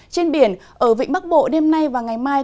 trên biển ở vịnh bắc bộ đêm nay và ngày mai